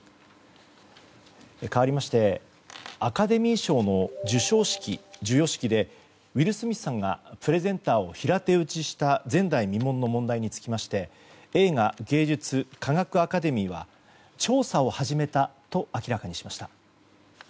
かわりましてアカデミー賞の授与式でウィル・スミスさんがプレゼンターを平手打ちした前代未聞の問題につきまして映画芸術科学アカデミーは調査を始めたと明らかにしました。